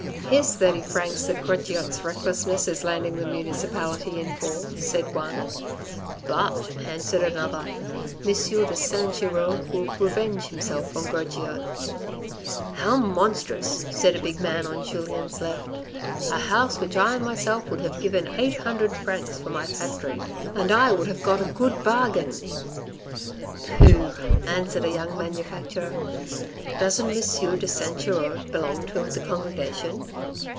" Here's thirty francs that Grogeot's recklessness is landing the municipality in for," said one —" But," answered another, " M. de Saint Giraud will revenge himself on Grogeot." "How monstrous," said a big man on Julien's left. "A house which I myself would have given eight hundred francs for my factory, and I would have got a good bargain." " Pooh !" answered a young manufacturer, " doesn't M. de St. Giraud belong to the congregation?